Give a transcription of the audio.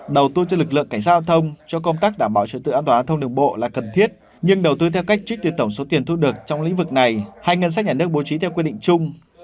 đầu tư cho lực lượng cảnh giao thông cho công tác đảm bảo trật tự an toàn thông đường bộ là cần thiết nhưng đầu tư theo cách trích từ tổng số tiền thu được trong lĩnh vực này hay ngân sách nhà nước bố trí theo quy định chung